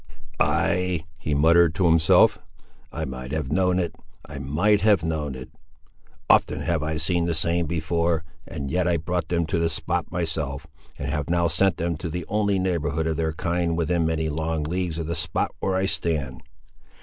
"Ay," he muttered to himself, "I might have know'd it—I might have know'd it! Often have I seen the same before; and yet I brought them to the spot myself, and have now sent them to the only neighbourhood of their kind within many long leagues of the spot where I stand.